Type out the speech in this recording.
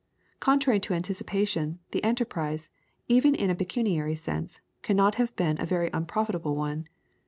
Contrary to anticipation, the enterprise, even in a pecuniary sense, cannot have been a very unprofitable one.